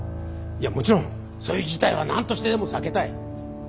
いやもちろんそういう事態は何としてでも避けたい。